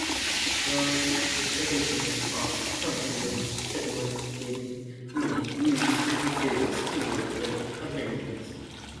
Clark's expeditions and frontier settlement gave him unique views and feelings toward Native Americans.